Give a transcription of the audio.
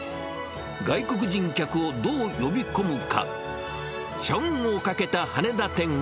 外国人客をどう呼び込むか。